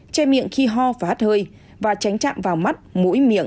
che miệng khi ho và hát hơi và tránh chạm vào mắt mũi miệng